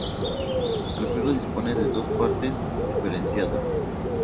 El juego dispone de dos partes diferenciadas.